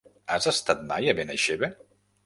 Has estat mai a Benaixeve?